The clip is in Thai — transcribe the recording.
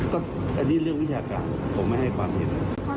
ก็อันนี้เรื่องวิชาการผมไม่ให้ความเห็น